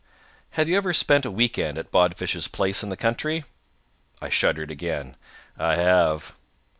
"Have you ever spent a weekend at Bodfish's place in the country?" I shuddered again. "I have."